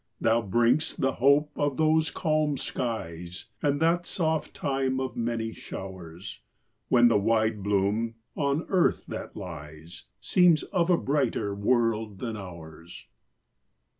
Thou bring'st the hope of those calm skies, And that soft time of many showers, When the wide bloom, on earth that lies, Seems of a brighter world than ours.